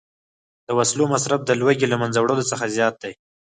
د وسلو مصرف د لوږې له منځه وړلو څخه زیات دی